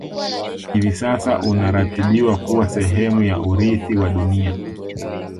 Hivi sasa unaratibiwa kuwa sehemu ya Urithi wa dunia